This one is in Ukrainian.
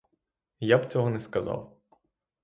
Я б цього не сказав.